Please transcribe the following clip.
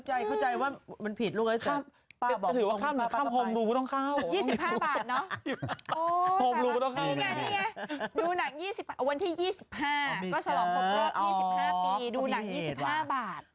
๒๕บาทเนอะดูหนัง๒๕บาทวันที่๒๕ก็ฉลองครบรอบ๒๕ปีดูหนัง๒๕บาท